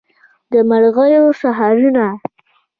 د مرغیو سحرونه